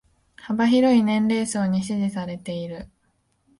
幅広い年齢層に支持されてる